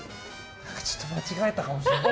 何かちょっと間違えたかもしれない。